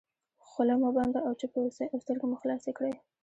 خوله مو بنده او چوپ واوسئ او سترګې مو خلاصې کړئ.